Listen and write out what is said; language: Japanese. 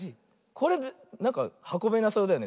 これなんかはこべなそうだよねぜったい。